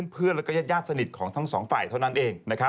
เพื่อนและยาดสนิทของทั้ง๒ฝ่ายเท่านั้นเอง